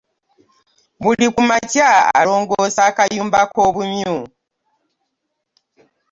Buli kumakya alongoosa akakumba kobumyu.